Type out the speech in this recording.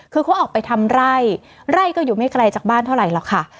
คือเขาออกไปทำไร่ไร่ก็อยู่ไม่ไกลจากบ้านเท่าไหร่หรอกค่ะ